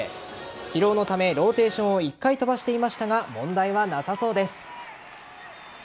疲労のため、ローテーションを１回飛ばしていましたが問題はなさそうです。